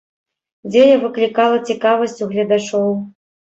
Дзея выклікала цікавасць у гледачоў.